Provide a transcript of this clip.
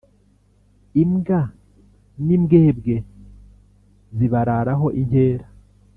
Imbwa n'imbwebwe zibararaho inkera